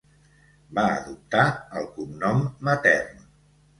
Va adoptar el cognom matern.